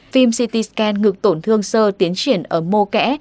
phim ct scan ngực tổn thương sơ tiến triển ở mô kẽ